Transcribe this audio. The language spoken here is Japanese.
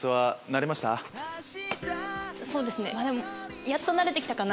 そうですね。